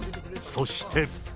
そして。